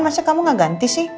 masa kamu gak ganti sih